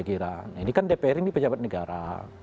ini kan dpr ini pejabat negara